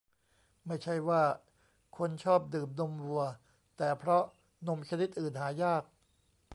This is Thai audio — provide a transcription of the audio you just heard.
ไม่ใช่ว่าคนชอบดื่มนมวัว แต่เพราะนมชนิดอื่นหายาก